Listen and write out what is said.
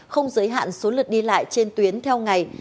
không giới hạn số lượt đi lại trên tuyến theo ngày